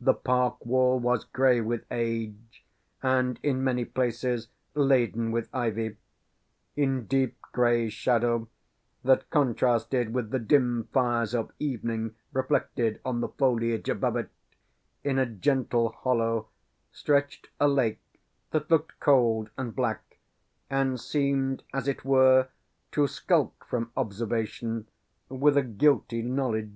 The park wall was grey with age, and in many places laden with ivy. In deep grey shadow, that contrasted with the dim fires of evening reflected on the foliage above it, in a gentle hollow, stretched a lake that looked cold and black, and seemed, as it were, to skulk from observation with a guilty knowledge.